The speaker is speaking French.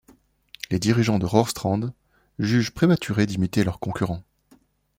Les dirigeants de Rörstrand jugent prématuré d'imiter leur concurrent.